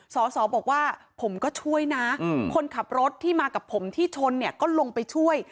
สอสอบอกว่าผมก็ช่วยนะคนขับรถที่มากับผมที่ชนเนี่ยก็ลงไปช่วย